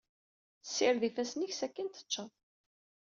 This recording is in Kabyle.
Sired ifassen-ik sakin teččeḍ.